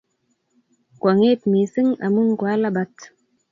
Kwang'et missing' amun kwaalabat.